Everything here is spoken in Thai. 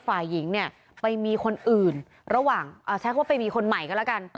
ฝ่ายหญิงเนี่ยไปมีคนอื่นระหว่างใช้คำว่าไปมีคนใหม่ก็แล้วกัน